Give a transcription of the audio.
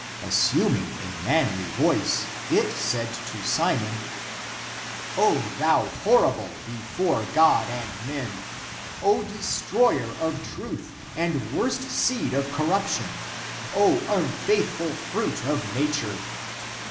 Assuming a manly voice, it said to Simon, " O thou horrible before God and men ; O destroyer of truth and worst seed of corruption; O unfaithful fruit of nature!